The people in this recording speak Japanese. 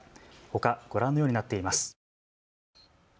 ほか、ご覧のようになっています。